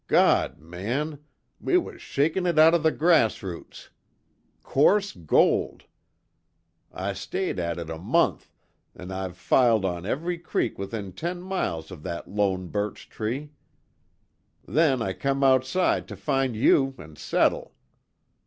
God, man! We was shakin' it out of the grass roots! Coarse gold! I stayed at it a month an' I've filed on every creek within ten miles of that lone birch tree. Then I come outside to find you an' settle."